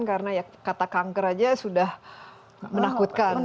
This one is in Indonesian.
karena kata kanker saja sudah menakutkan